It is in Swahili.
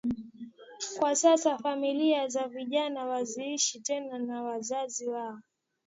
Kwa sasa familia za vijana haziishi tena na wazazi wao